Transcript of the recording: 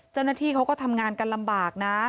เจ้าหน้าที่เขาก็ทำงานกันลำบากนะ